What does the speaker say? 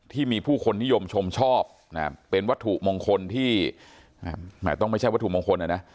ที่มีผู้คนนิยมชมชอบนะเป็นวัตถุมงคลที่แหมต้องไม่ใช่วัตถุมงคลนะ